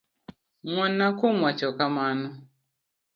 Ngwonna kuom wacho kamano.